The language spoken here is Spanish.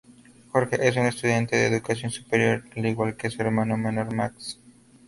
Jorge, es un estudiante de educación superior, al igual que su hermano menor Max.